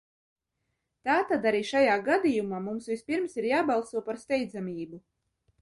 Tātad arī šajā gadījumā mums vispirms ir jābalso par steidzamību.